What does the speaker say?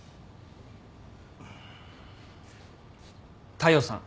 大陽さん。